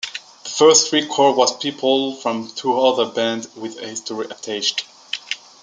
The first record was people from two other bands with history attached.